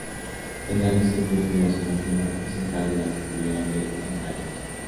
El área se encuentra en la zona climática central de la cordillera del Himalaya.